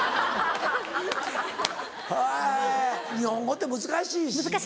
日本語って難しいし。